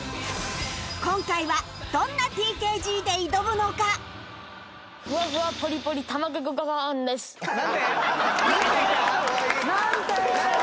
今回はどんな ＴＫＧ で挑むのか？なんて？なんて？なんて？